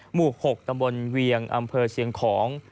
หมู่๖ตำบลเวียงอำเภอเชียงของ